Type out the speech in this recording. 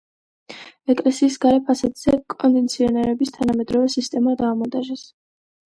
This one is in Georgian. ეკლესიის გარე ფასადზე კონდიციონერების თანამედროვე სისტემა დაამონტაჟეს.